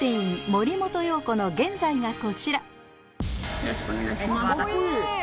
よろしくお願いします